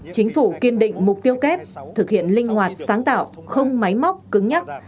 chính phủ kiên định mục tiêu kép thực hiện linh hoạt sáng tạo không máy móc cứng nhắc